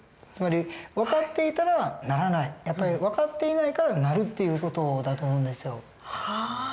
つまり分かっていたらならない分かっていないからなるっていう事だと思うんですよ。